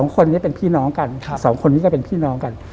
๒คนนี้เป็นพี่น้องกัน๒คนนี้ก็เป็นพี่น้องกัน